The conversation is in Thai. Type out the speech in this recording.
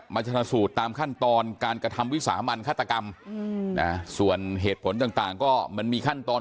ชนะสูตรตามขั้นตอนการกระทำวิสามันฆาตกรรมส่วนเหตุผลต่างก็มันมีขั้นตอน